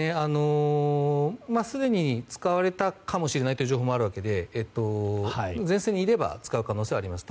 すでに使われたかもしれないという情報もあるわけで前線にいれば使う可能性はあります。